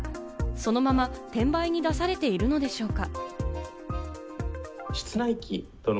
そのまま転売に出されているのでしょうか？